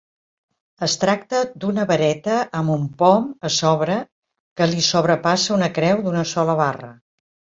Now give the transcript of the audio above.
Es tracta d'una vareta amb un pom a sobre que li sobrepassa una creu d'una sola barra.